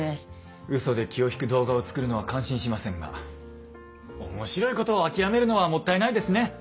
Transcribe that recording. うそで気を引く動画を作るのは感心しませんが面白いことを諦めるのはもったいないですね。